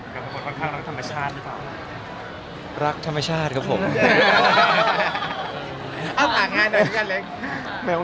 คุณค่อนข้างรักธรรมชาติหรือเปล่านะ